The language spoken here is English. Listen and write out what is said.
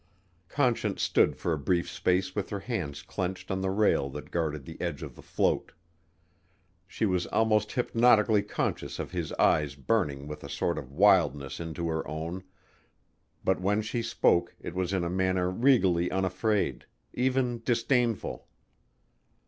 Conscience stood for a brief space with her hands clenched on the rail that guarded the edge of the float. She was almost hypnotically conscious of his eyes burning with a sort of wildness into her own, but when she spoke it was in a manner regally unafraid even disdainful.